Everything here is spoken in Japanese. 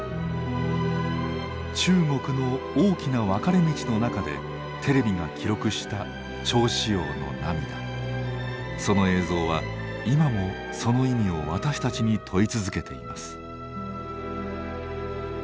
中国の大きな分かれ道の中でテレビが記録したその映像は今もその意味を私たちに問い続けています。